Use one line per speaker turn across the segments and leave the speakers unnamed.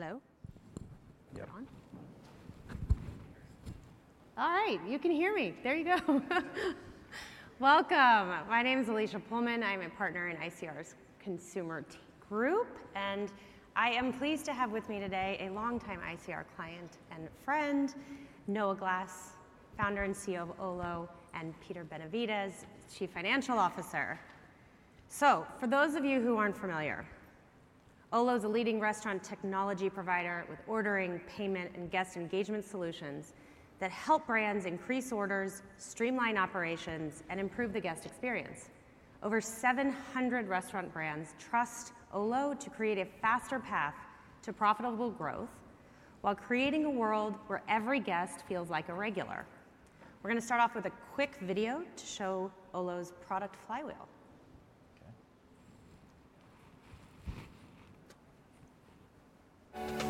Hello.
Yep.
All right, you can hear me. There you go. Welcome. My name is Alecia Pulman. I'm a partner in ICR's consumer group, and I am pleased to have with me today a longtime ICR client and friend, Noah Glass, founder and CEO of Olo, and Peter Benevides, Chief Financial Officer. So, for those of you who aren't familiar, Olo is a leading restaurant technology provider with ordering, payment, and guest engagement solutions that help brands increase orders, streamline operations, and improve the guest experience. Over 700 restaurant brands trust Olo to create a faster path to profitable growth while creating a world where every guest feels like a regular. We're going to start off with a quick video to show Olo's product flywheel.
Okay.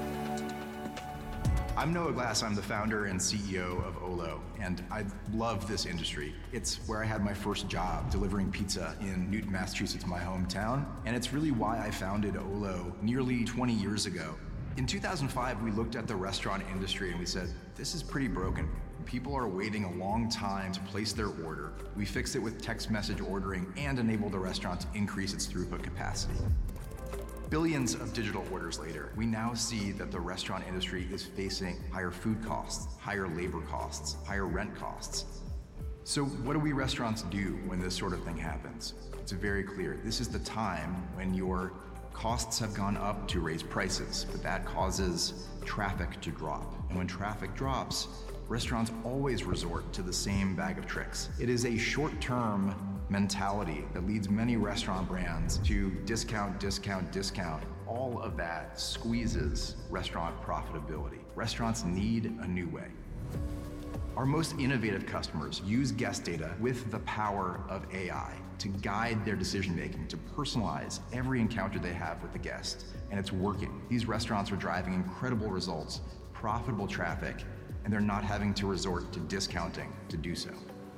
I'm Noah Glass. I'm the founder and CEO of Olo, and I love this industry. It's where I had my first job, delivering pizza in Newton, Massachusetts, my hometown, and it's really why I founded Olo nearly 20 years ago. In 2005, we looked at the restaurant industry and we said, "This is pretty broken. People are waiting a long time to place their order." We fixed it with text message ordering and enabled the restaurant to increase its throughput capacity. Billions of digital orders later, we now see that the restaurant industry is facing higher food costs, higher labor costs, higher rent costs. So, what do we restaurants do when this sort of thing happens? It's very clear. This is the time when your costs have gone up to raise prices, but that causes traffic to drop. When traffic drops, restaurants always resort to the same bag of tricks. It is a short-term mentality that leads many restaurant brands to discount, discount, discount. All of that squeezes restaurant profitability. Restaurants need a new way. Our most innovative customers use guest data with the power of AI to guide their decision-making, to personalize every encounter they have with the guests, and it's working. These restaurants are driving incredible results, profitable traffic, and they're not having to resort to discounting to do so.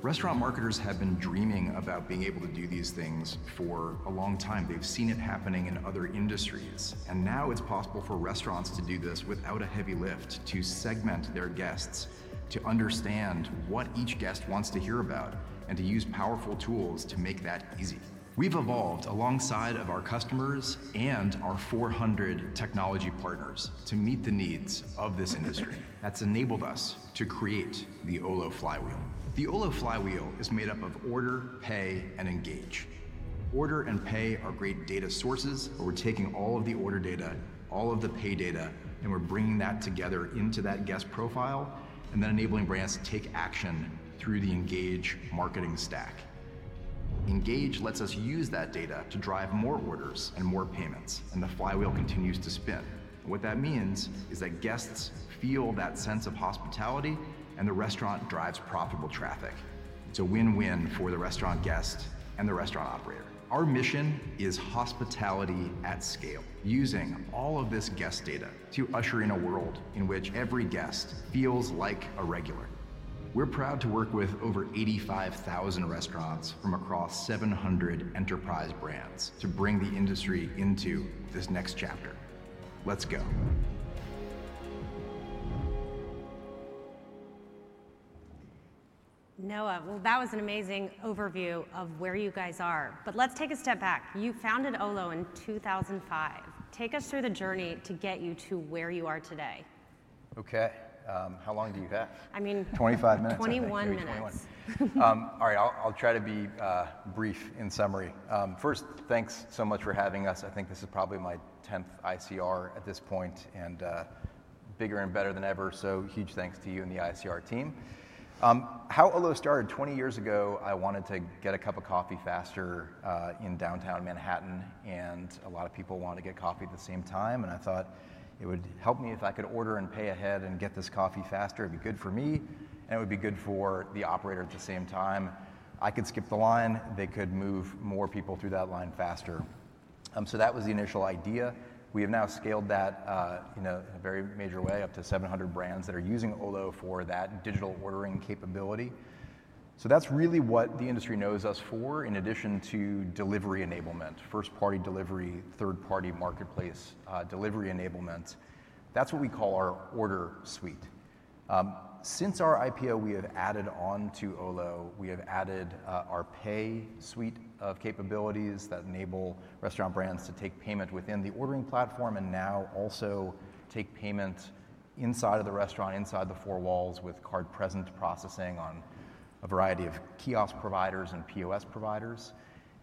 Restaurant marketers have been dreaming about being able to do these things for a long time. They've seen it happening in other industries, and now it's possible for restaurants to do this without a heavy lift, to segment their guests, to understand what each guest wants to hear about, and to use powerful tools to make that easy. We've evolved alongside our customers and our 400 technology partners to meet the needs of this industry. That's enabled us to create the Olo Flywheel. The Olo Flywheel is made up of Order, Pay, and Engage. Order and Pay are great data sources, but we're taking all of the order data, all of the Pay data, and we're bringing that together into that guest profile and then enabling brands to take action through the Engage marketing stack. Engage lets us use that data to drive more orders and more payments, and the Flywheel continues to spin. What that means is that guests feel that sense of hospitality, and the restaurant drives profitable traffic. It's a win-win for the restaurant guest and the restaurant operator. Our mission is hospitality at scale, using all of this guest data to usher in a world in which every guest feels like a regular. We're proud to work with over 85,000 restaurants from across 700 enterprise brands to bring the industry into this next chapter. Let's go.
Noah, well, that was an amazing overview of where you guys are, but let's take a step back. You founded Olo in 2005. Take us through the journey to get you to where you are today.
Okay. How long do you have?
I mean.
25 minutes.
21 minutes.
All right, I'll try to be brief in summary. First, thanks so much for having us. I think this is probably my 10th ICR at this point and bigger and better than ever, so huge thanks to you and the ICR team. How Olo started? 20 years ago, I wanted to get a cup of coffee faster in downtown Manhattan, and a lot of people wanted to get coffee at the same time, and I thought it would help me if I could order and pay ahead and get this coffee faster. It'd be good for me, and it would be good for the operator at the same time. I could skip the line. They could move more people through that line faster. So that was the initial idea. We have now scaled that in a very major way up to 700 brands that are using Olo for that digital ordering capability. So that's really what the industry knows us for, in addition to delivery enablement, first-party delivery, third-party marketplace delivery enablement. That's what we call our Order Suite. Since our IPO, we have added on to Olo. We have added our Pay Suite of capabilities that enable restaurant brands to take payment within the ordering platform and now also take payment inside of the restaurant, inside the four walls with card present processing on a variety of kiosk providers and POS providers,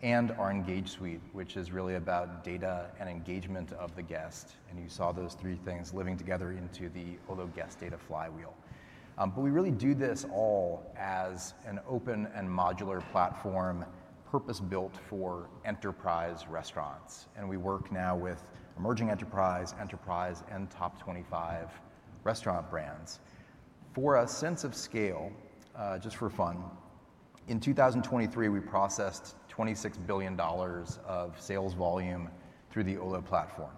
and our Engage Suite, which is really about data and engagement of the guest, and you saw those three things living together into the Olo guest data flywheel. But we really do this all as an open and modular platform, purpose-built for enterprise restaurants, and we work now with emerging enterprise and top 25 restaurant brands. For a sense of scale, just for fun, in 2023, we processed $26 billion of sales volume through the Olo platform.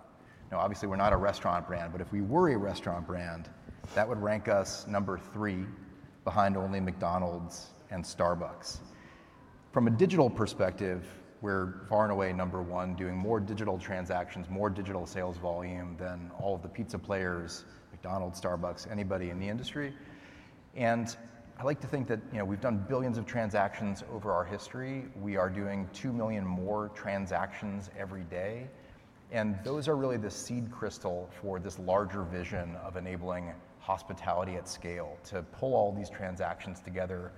Now, obviously, we're not a restaurant brand, but if we were a restaurant brand, that would rank us number three, behind only McDonald's and Starbucks. From a digital perspective, we're far and away number one, doing more digital transactions, more digital sales volume than all of the pizza players, McDonald's, Starbucks, anybody in the industry. And I like to think that we've done billions of transactions over our history. We are doing two million more transactions every day, and those are really the seed crystal for this larger vision of enabling hospitality at scale, to pull all these transactions together,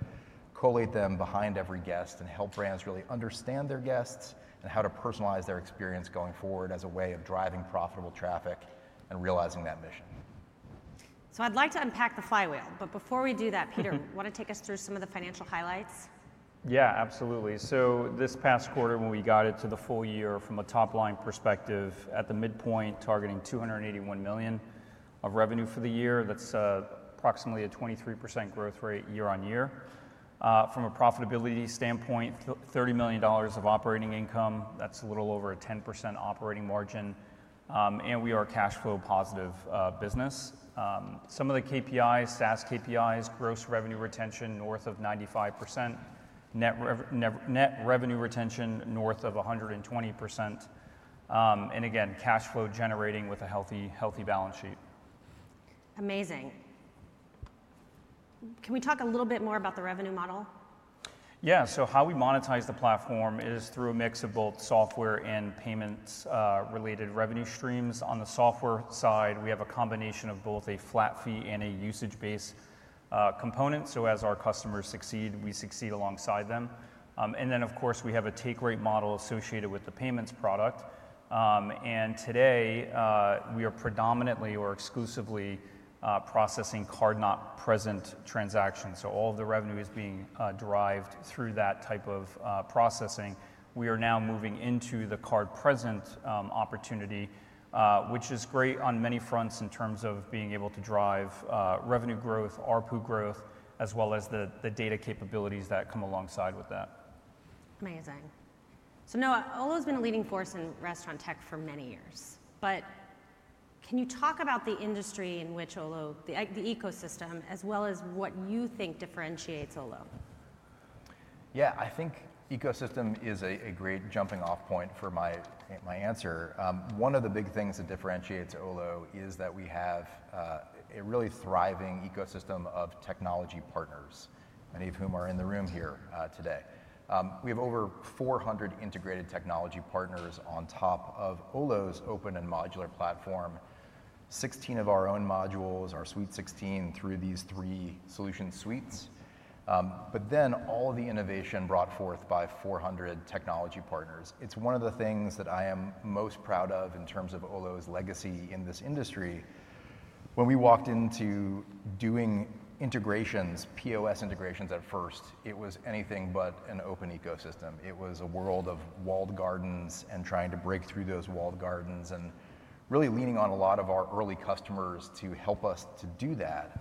collate them behind every guest, and help brands really understand their guests and how to personalize their experience going forward as a way of driving profitable traffic and realizing that mission.
So I'd like to unpack the flywheel, but before we do that, Peter, want to take us through some of the financial highlights?
Yeah, absolutely. So this past quarter, when we got it to the full year from a top-line perspective, at the midpoint, targeting $281 million of revenue for the year, that's approximately a 23% growth rate year on year. From a profitability standpoint, $30 million of operating income, that's a little over a 10% operating margin, and we are a cash flow positive business. Some of the KPIs, SaaS KPIs, gross revenue retention north of 95%, net revenue retention north of 120%, and again, cash flow generating with a healthy balance sheet.
Amazing. Can we talk a little bit more about the revenue model?
Yeah, so how we monetize the platform is through a mix of both software and payments-related revenue streams. On the software side, we have a combination of both a flat fee and a usage-based component, so as our customers succeed, we succeed alongside them. And then, of course, we have a take-rate model associated with the payments product, and today we are predominantly or exclusively processing card not present transactions, so all of the revenue is being derived through that type of processing. We are now moving into the card present opportunity, which is great on many fronts in terms of being able to drive revenue growth, ARPU growth, as well as the data capabilities that come alongside with that.
Amazing. So Noah, Olo has been a leading force in restaurant tech for many years, but can you talk about the industry in which Olo, the ecosystem, as well as what you think differentiates Olo?
Yeah, I think ecosystem is a great jumping-off point for my answer. One of the big things that differentiates Olo is that we have a really thriving ecosystem of technology partners, many of whom are in the room here today. We have over 400 integrated technology partners on top of Olo's open and modular platform, 16 of our own modules, our Suite 16 through these three solution suites, but then all the innovation brought forth by 400 technology partners. It's one of the things that I am most proud of in terms of Olo's legacy in this industry. When we walked into doing integrations, POS integrations at first, it was anything but an open ecosystem. It was a world of walled gardens and trying to break through those walled gardens and really leaning on a lot of our early customers to help us to do that.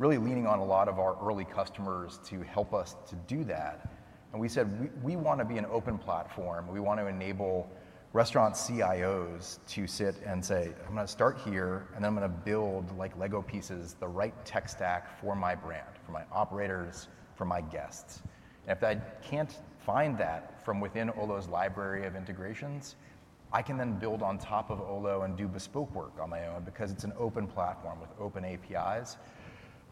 We said, "We want to be an open platform. We want to enable restaurant CIOs to sit and say, 'I'm going to start here, and then I'm going to build like Lego pieces, the right tech stack for my brand, for my operators, for my guests.'" And if I can't find that from within Olo's library of integrations, I can then build on top of Olo and do bespoke work on my own because it's an open platform with open APIs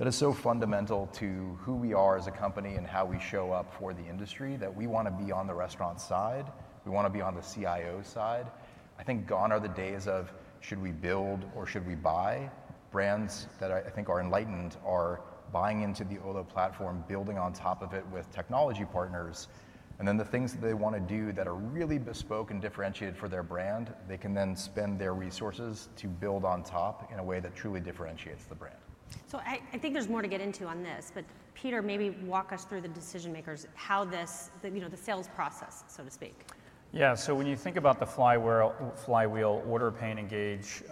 that is so fundamental to who we are as a company and how we show up for the industry that we want to be on the restaurant side. We want to be on the CIO side. I think gone are the days of, "Should we build or should we buy?" Brands that I think are enlightened are buying into the Olo platform, building on top of it with technology partners, and then the things that they want to do that are really bespoke and differentiated for their brand, they can then spend their resources to build on top in a way that truly differentiates the brand.
So, I think there's more to get into on this, but Peter, maybe walk us through the decision-makers, how this, the sales process, so to speak.
Yeah, so when you think about the flywheel, Order, Pay, Engage,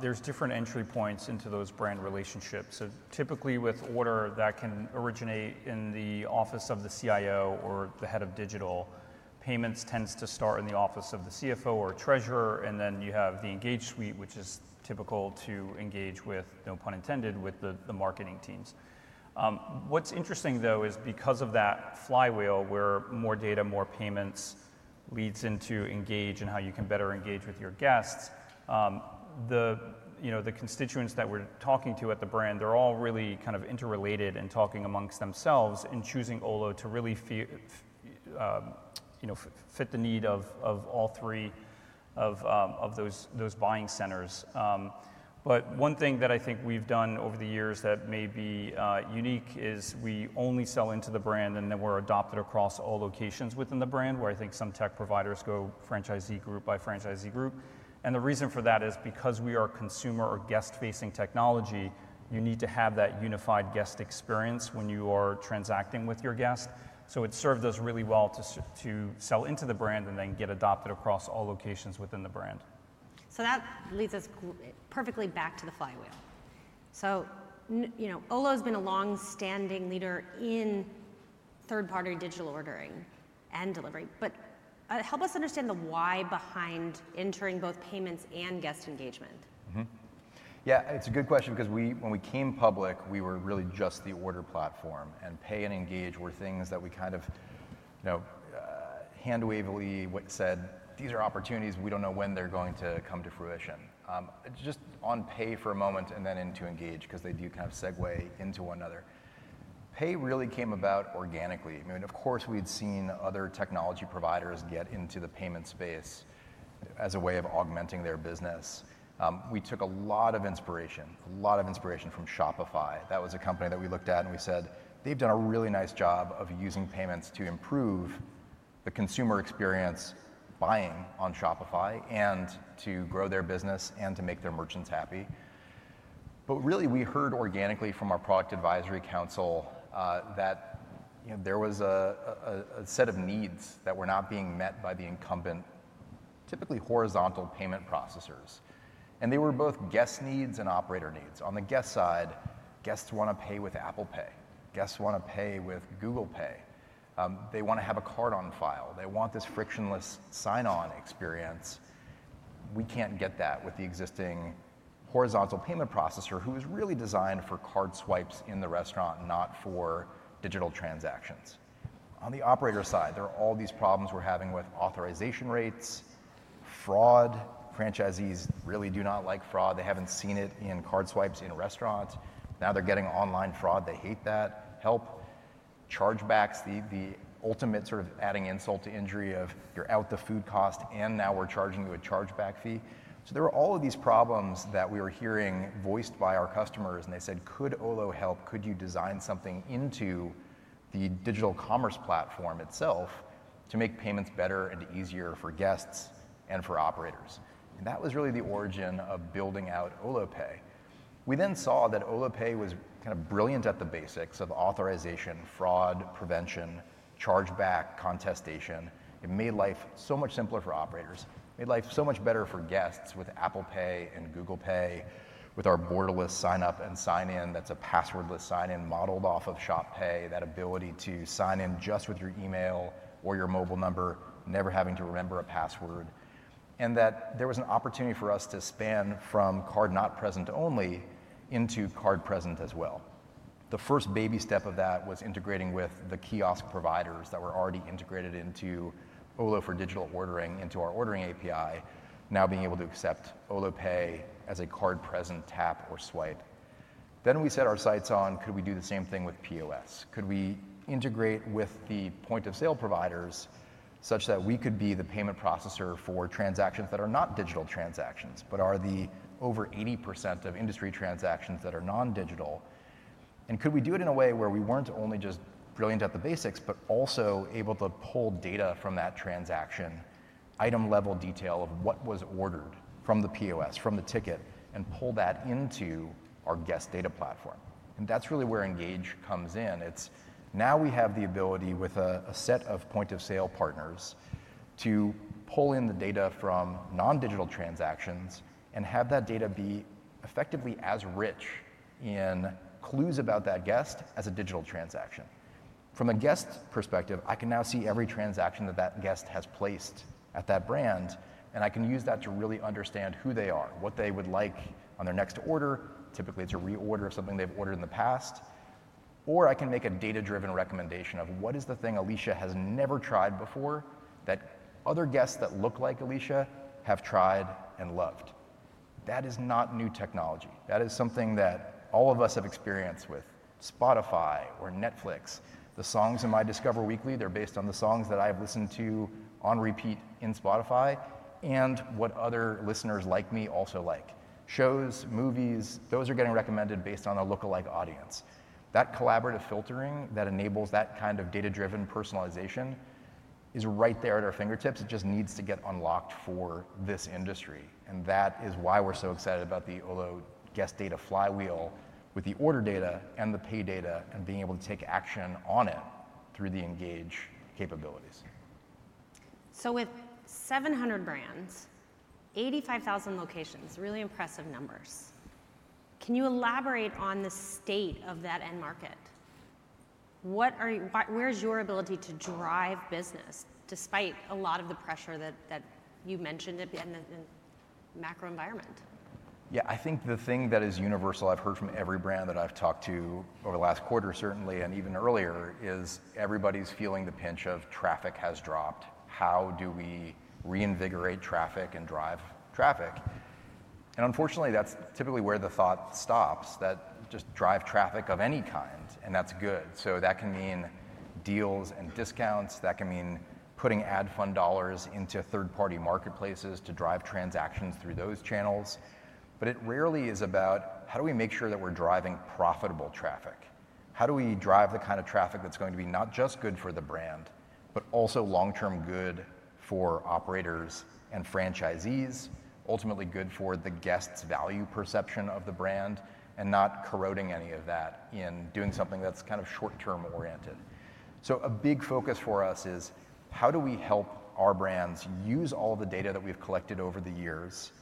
there's different entry points into those brand relationships. So typically with Order, that can originate in the office of the CIO or the head of digital. Pay tends to start in the office of the CFO or treasurer, and then you have the Engage suite, which is typical to Engage with, no pun intended, with the marketing teams. What's interesting, though, is because of that flywheel where more data, more payments leads into Engage and how you can better engage with your guests, the constituents that we're talking to at the brand, they're all really kind of interrelated and talking amongst themselves and choosing Olo to really fit the need of all three of those buying centers. But one thing that I think we've done over the years that may be unique is we only sell into the brand, and then we're adopted across all locations within the brand, where I think some tech providers go franchisee group by franchisee group. And the reason for that is because we are consumer or guest-facing technology. You need to have that unified guest experience when you are transacting with your guest. So it served us really well to sell into the brand and then get adopted across all locations within the brand.
So that leads us perfectly back to the flywheel. So Olo has been a long-standing leader in third-party digital ordering and delivery, but help us understand the why behind entering both payments and guest engagement.
Yeah, it's a good question because when we came public, we were really just the Order platform, and Pay and Engage were things that we kind of handwavily said, "These are opportunities. We don't know when they're going to come to fruition." Just on Pay for a moment and then into engage because they do kind of segue into one another. Pay really came about organically. I mean, of course, we'd seen other technology providers get into the payment space as a way of augmenting their business. Franchisees really do not like fraud. They haven't seen it in card swipes in restaurants. Now they're getting online fraud. They hate that. Help, chargebacks, the ultimate sort of adding insult to injury of, "You're out the food cost, and now we're charging you a chargeback fee." So there were all of these problems that we were hearing voiced by our customers, and they said, "Could Olo help? Could you design something into the digital commerce platform itself to make payments better and easier for guests and for operators?" And that was really the origin of building out Olo Pay. We then saw that Olo Pay was kind of brilliant at the basics of authorization, fraud prevention, chargeback contestation. It made life so much simpler for operators. It made life so much better for guests with Apple Pay and Google Pay, with our borderless sign-up and sign-in that's a passwordless sign-in modeled off of Shop Pay, that ability to sign in just with your email or your mobile number, never having to remember a password, and that there was an opportunity for us to span from card not present only into card present as well. The first baby step of that was integrating with the kiosk providers that were already integrated into Olo for digital ordering into our ordering API, now being able to accept Olo Pay as a card present tap or swipe. Then we set our sights on, "Could we do the same thing with POS? Could we integrate with the point of sale providers such that we could be the payment processor for transactions that are not digital transactions, but are the over 80% of industry transactions that are non-digital? And could we do it in a way where we weren't only just brilliant at the basics, but also able to pull data from that transaction, item-level detail of what was ordered from the POS, from the ticket, and pull that into our guest data platform? And that's really where Engage comes in. Now we have the ability with a set of point of sale partners to pull in the data from non-digital transactions and have that data be effectively as rich in clues about that guest as a digital transaction. From a guest perspective, I can now see every transaction that that guest has placed at that brand, and I can use that to really understand who they are, what they would like on their next order. Typically, it's a reorder of something they've ordered in the past, or I can make a data-driven recommendation of, "What is the thing Alicia has never tried before that other guests that look like Alicia have tried and loved?" That is not new technology. That is something that all of us have experienced with Spotify or Netflix. The songs in my Discover Weekly, they're based on the songs that I have listened to on repeat in Spotify and what other listeners like me also like. Shows, movies, those are getting recommended based on a lookalike audience. That collaborative filtering that enables that kind of data-driven personalization is right there at our fingertips. It just needs to get unlocked for this industry. And that is why we're so excited about the Olo guest data flywheel with the order data and the pay data and being able to take action on it through the engage capabilities.
So with 700 brands, 85,000 locations, really impressive numbers. Can you elaborate on the state of that end market? Where's your ability to drive business despite a lot of the pressure that you mentioned in the macro environment?
Yeah, I think the thing that is universal I've heard from every brand that I've talked to over the last quarter, certainly, and even earlier, is everybody's feeling the pinch of traffic has dropped. How do we reinvigorate traffic and drive traffic? And unfortunately, that's typically where the thought stops, that just drive traffic of any kind, and that's good. So that can mean deals and discounts. That can mean putting ad fund dollars into third-party marketplaces to drive transactions through those channels. But it rarely is about, "How do we make sure that we're driving profitable traffic? How do we drive the kind of traffic that's going to be not just good for the brand, but also long-term good for operators and franchisees, ultimately good for the guest's value perception of the brand and not corroding any of that in doing something that's kind of short-term oriented?" So a big focus for us is, "How do we help our brands use all the data that we've collected over the years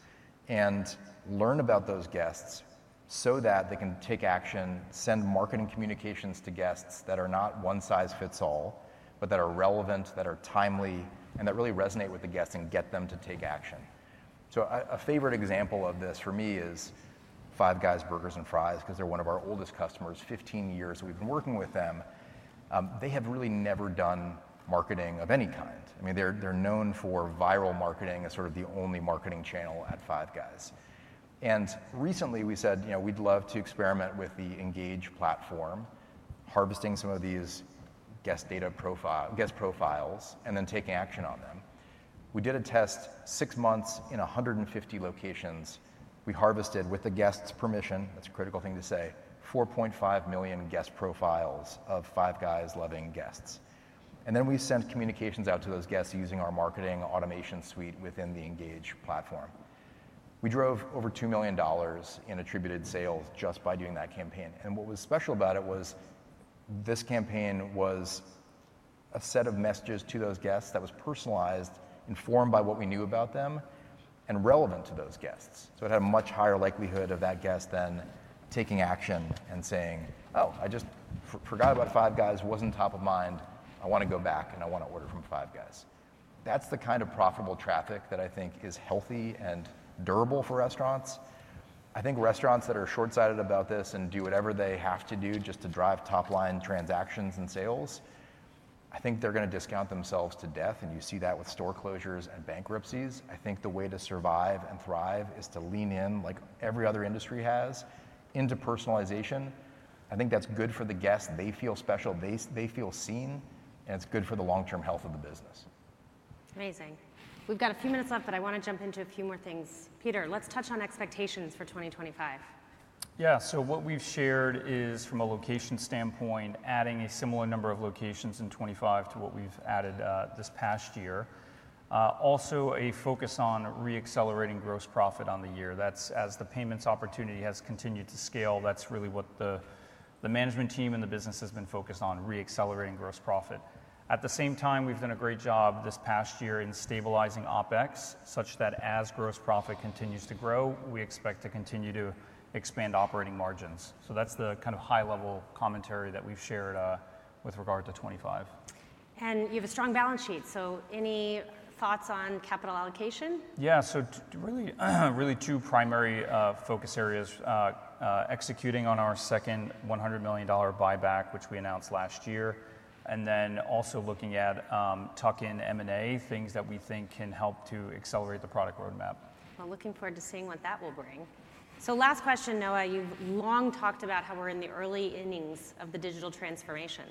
and learn about those guests so that they can take action, send marketing communications to guests that are not one size fits all, but that are relevant, that are timely, and that really resonate with the guests and get them to take action?" So a favorite example of this for me is Five Guys Burgers and Fries because they're one of our oldest customers. 15 years we've been working with them. They have really never done marketing of any kind. I mean, they're known for viral marketing as sort of the only marketing channel at Five Guys, and recently, we said, "We'd love to experiment with the Engage platform, harvesting some of these guest data profiles and then taking action on them." We did a test six months in 150 locations. We harvested, with the guest's permission, that's a critical thing to say, 4.5 million guest profiles of Five Guys-loving guests, and then we sent communications out to those guests using our marketing automation suite within the Engage platform. We drove over $2 million in attributed sales just by doing that campaign, and what was special about it was this campaign was a set of messages to those guests that was personalized, informed by what we knew about them and relevant to those guests. So it had a much higher likelihood of that guest then taking action and saying, "Oh, I just forgot about Five Guys. It wasn't top of mind. I want to go back and I want to order from Five Guys." That's the kind of profitable traffic that I think is healthy and durable for restaurants. I think restaurants that are shortsighted about this and do whatever they have to do just to drive top-line transactions and sales, I think they're going to discount themselves to death. And you see that with store closures and bankruptcies. I think the way to survive and thrive is to lean in like every other industry has into personalization. I think that's good for the guests. They feel special. They feel seen. And it's good for the long-term health of the business.
Amazing. We've got a few minutes left, but I want to jump into a few more things. Peter, let's touch on expectations for 2025.
Yeah. So what we've shared is, from a location standpoint, adding a similar number of locations in 2025 to what we've added this past year. Also, a focus on re-accelerating gross profit on the year. That's as the payments opportunity has continued to scale. That's really what the management team and the business has been focused on, re-accelerating gross profit. At the same time, we've done a great job this past year in stabilizing OPEX such that as gross profit continues to grow, we expect to continue to expand operating margins. So that's the kind of high-level commentary that we've shared with regard to 2025.
You have a strong balance sheet. Any thoughts on capital allocation?
Yeah. So really two primary focus areas: executing on our second $100 million buyback, which we announced last year, and then also looking at tuck-in M&A things that we think can help to accelerate the product roadmap.
Looking forward to seeing what that will bring. So last question, Noah. You've long talked about how we're in the early innings of the digital transformation.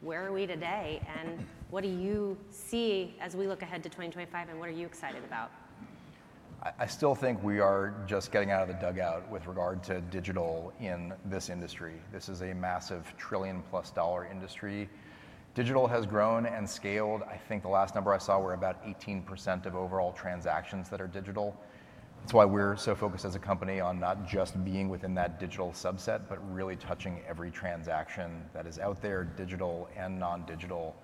Where are we today? And what do you see as we look ahead to 2025? And what are you excited about?
I still think we are just getting out of the dugout with regard to digital in this industry. This is a massive $1 trillion-plus industry. Digital has grown and scaled. I think the last number I saw were about 18% of overall transactions that are digital. That's why we're so focused as a company on not just being within that digital subset, but really touching every transaction that is out there, digital and non-digital,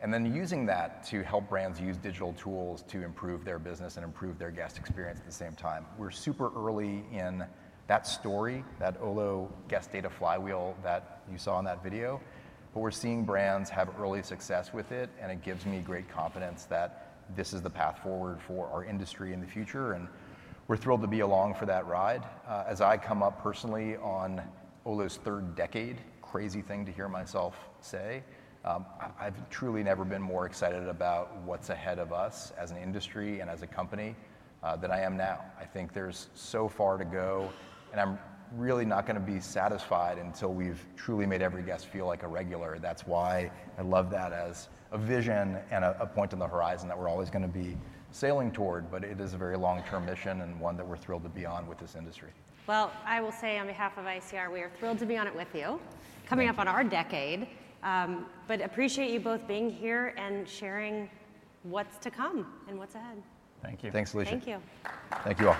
and then using that to help brands use digital tools to improve their business and improve their guest experience at the same time. We're super early in that story, that Olo guest data flywheel that you saw in that video. But we're seeing brands have early success with it, and it gives me great confidence that this is the path forward for our industry in the future, and we're thrilled to be along for that ride. As I come up personally on Olo's third decade, crazy thing to hear myself say, I've truly never been more excited about what's ahead of us as an industry and as a company than I am now. I think there's so far to go, and I'm really not going to be satisfied until we've truly made every guest feel like a regular. That's why I love that as a vision and a point on the horizon that we're always going to be sailing toward. But it is a very long-term mission and one that we're thrilled to be on with this industry.
I will say on behalf of ICR, we are thrilled to be on it with you, coming up on our decade, but appreciate you both being here and sharing what's to come and what's ahead.
Thank you.
Thanks, Alecia.
Thank you.
Thank you all.